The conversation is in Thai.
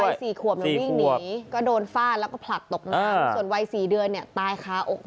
วัย๔ขวบมันวิ่งหนีก็โดนฟ่านแล้วก็ผลัดตกน้ำส่วนวัย๔เดือนตายค้าอกแม่